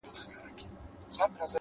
د هغه هر وخت د ښکلا خبر په لپه کي دي ـ